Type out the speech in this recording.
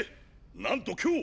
なんと今日！